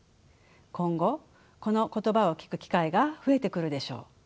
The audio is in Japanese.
今後この言葉を聞く機会が増えてくるでしょう。